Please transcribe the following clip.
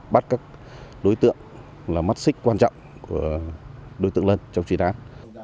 bắt các đối tượng là mắt xích quan trọng của đối tượng lân trong truyền án